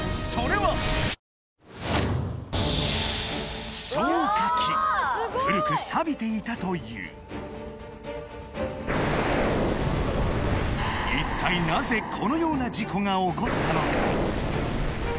それは消火器古く錆びていたという一体なぜこのような事故が起こったのか？